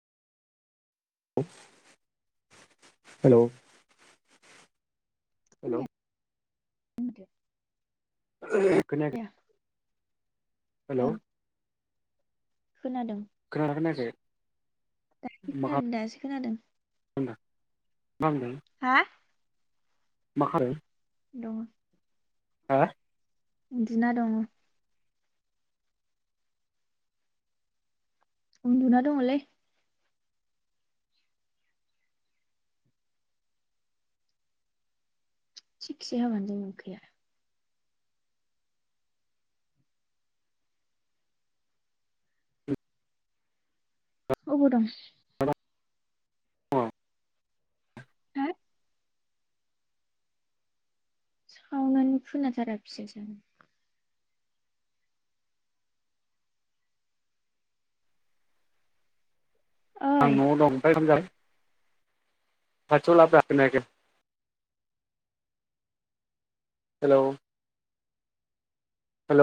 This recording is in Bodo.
हेल' हेल' खोनायानो [inaudible] खोनायाखै आया हेल' ओं खोनादों खोनादो ना खोनायाखै? दासो खोनादों दासो खोनादों। खोनादों मा खालामदों हा मा खालामो दङ हा उन्दुना दङ। उन्दुना दंलै। थिगसे हाबायानो दं अखाया। अबाव दं। हा सावनानो खोनाथाराखिसै जानो। आं ओइ न'आव दं ओमफ्राय ओंखाम जाबाय। खाथियाव लाब्रा खोनायाखै। हेलौ